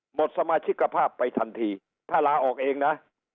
หมดสมาชิกภาพไปทันทีถ้าลาออกเองนะ